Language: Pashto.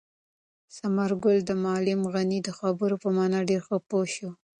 ثمر ګل د معلم غني د خبرو په مانا ډېر ښه پوه شو.